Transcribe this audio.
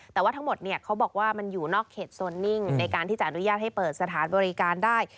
แต่ว่าทั้งหมดเขาบอกว่ามันอยู่นอกเขตโซนนิ่งในการที่จะอนุญาตให้เปิดสถานบริการได้